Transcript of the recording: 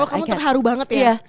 kamu terharu banget ya